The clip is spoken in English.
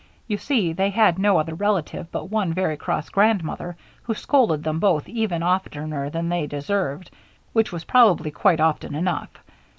You see, they had no other relative but one very cross grandmother, who scolded them both even oftener than they deserved which was probably quite often enough.